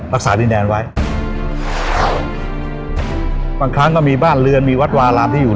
ดินแดนไว้บางครั้งก็มีบ้านเรือนมีวัดวาลามที่อยู่